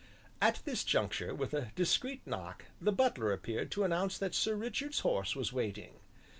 At this juncture, with a discreet knock, the butler appeared to announce that Sir Richard's horse was waiting.